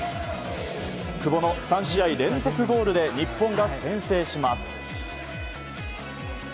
久保の３試合連続ゴールで日本が先制します。